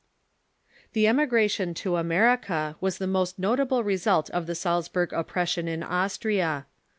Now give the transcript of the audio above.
The emigration to America was the most notable result of the Salzburg oppression in Austria.